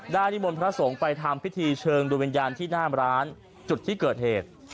นิมนต์พระสงฆ์ไปทำพิธีเชิญดูวิญญาณที่หน้าร้านจุดที่เกิดเหตุ